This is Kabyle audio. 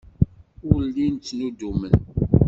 Ur llin ttnuddumen.